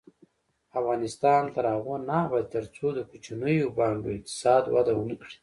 افغانستان تر هغو نه ابادیږي، ترڅو د کوچنیو بانډو اقتصاد وده ونه کړي.